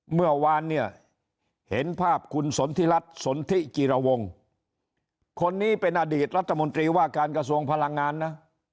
เมื่อวานเนี่ยเห็นภาพคุณสนทิรัฐสนทิจิรวงคนนี้เป็นอดีตรัฐมนตรีว่าการกระทรวงพลังงานนะ